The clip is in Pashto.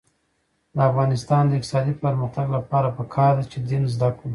د افغانستان د اقتصادي پرمختګ لپاره پکار ده چې دین زده کړو.